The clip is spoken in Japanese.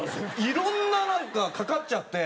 いろんななんかかかっちゃって。